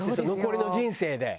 残りの人生で。